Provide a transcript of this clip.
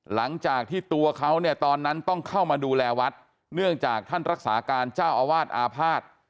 หลังจากที่ตัวเขาเนี่ยตอนนั้นต้องเข้ามาดูแลวัดเนื่องจากท่านรักษาการเจ้าอาวาสอาภาษณ์